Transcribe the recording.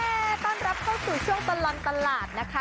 ต้อนรับเข้าสู่ช่วงตลอดตลาดนะคะ